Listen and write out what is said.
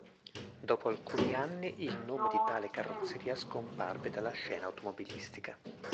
Dopo alcuni anni il nome di tale carrozzeria scomparve dalla scena automobilistica.